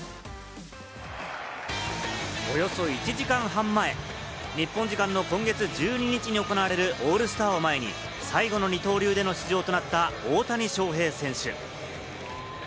およそ１時間半前、日本時間の今月１２日に行われるオールスターを前に最後の二刀流での出場となった大谷翔平選手。